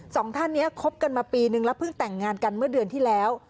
สองท่านนี้คบกันมาปีนึงแล้วเพิ่งแต่งงานกันเมื่อเดือนที่แล้ว